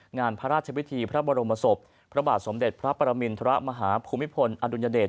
งานพระราชพิธีพระบรมศพพระบาทสมเด็จพระปรมินทรมาฮภูมิพลอดุลยเดช